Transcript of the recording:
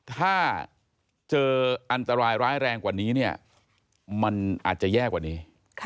ถ้าเจออันตรายร้ายแรงกว่านี้เนี่ยมันอาจจะแย่กว่านี้